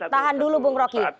tahan dulu bung roky